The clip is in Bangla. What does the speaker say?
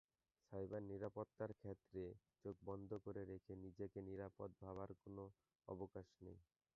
সাইবার নিরাপত্তার ক্ষেত্রে চোখ বন্ধ করে রেখে নিজেকে নিরাপদ ভাবার কোনো অবকাশ নেই।